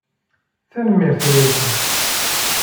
Tanemmirt! Ula i kemm!